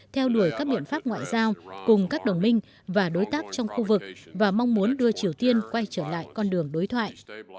theo đuổi các biện pháp ngoại giao cùng các đồng minh và đối tác trong khu vực và mong muốn đưa triều tiên quay trở lại con đường đối thoại